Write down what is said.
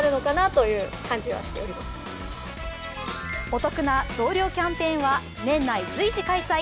お得な増量キャンペーンは年内、随時開催。